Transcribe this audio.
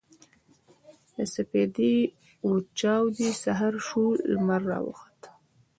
د سپـېدې وچـاودې سـهار شـو لمـر راوخـت.